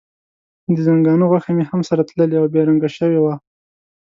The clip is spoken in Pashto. د ځنګانه غوښه مې هم سره تللې او بې رنګه شوې وه.